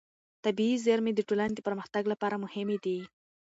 طبیعي زېرمې د ټولنې د پرمختګ لپاره مهمې دي.